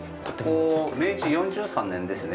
ここは明治４３年ですね。